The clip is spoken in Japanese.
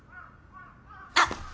あっ！